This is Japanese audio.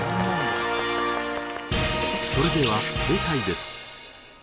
それでは正解です。